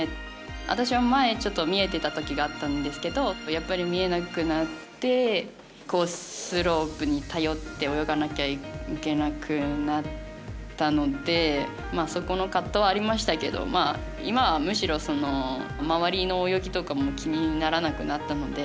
私は前、見えてたときがあったんですけど見えなくなってコースロープに頼って泳がなきゃいけなくなったのでそこの葛藤、ありましたけど今はむしろ周りの泳ぎとかも気にならなくなったので。